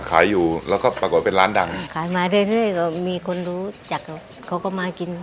ขายอยู่แล้วก็ปรากฏเป็นร้านดังขายมาเรื่อยเรื่อยก็มีคนรู้จักเขาเขาก็มากิน